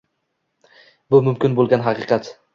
Bu mumkin bo‘lgan haqiqat!